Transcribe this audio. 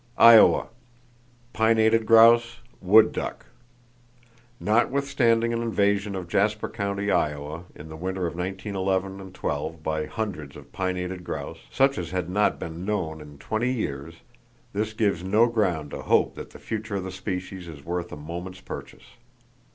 Iowa: Pinnated grouse, wood duck. Notwithstanding an invasion of Jasper County, Iowa, in the winter of 1911 12 by hundreds of pinnated grouse, such as had not been known in 20 years, this gives no ground to hope that the future of the species is worth a moment's purchase.